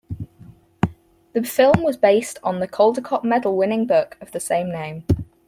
The film was based on the Caldecott Medal winning book of the same name.